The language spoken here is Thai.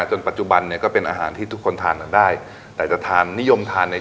จนปัจจุบันเนี่ยก็เป็นอาหารที่ทุกคนทานกันได้